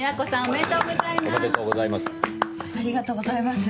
おめでとうございます。